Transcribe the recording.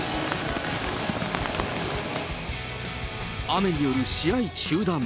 雨による試合中断。